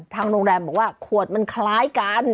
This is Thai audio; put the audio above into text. ทางโรงแรมบอกว่าขวดมันคล้ายกัน